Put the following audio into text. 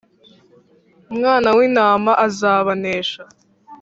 Umwana w’intama azabanesha